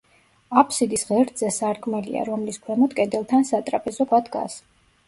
აფსიდის ღერძზე სარკმელია, რომლის ქვემოთ კედელთან სატრაპეზო ქვა დგას.